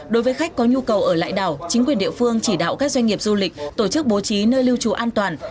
đối với khách có nhu cầu ở lại đảo chính quyền địa phương chỉ đạo các doanh nghiệp du lịch tổ chức bố trí nơi lưu trù an toàn